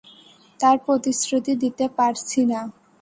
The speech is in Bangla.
তার প্রতিশ্রুতি দিতে পারছি না।